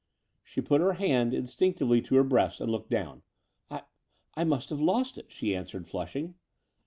She put her hand instinctively to her breast and looked down. "I — I must have lost it," she answered flushing.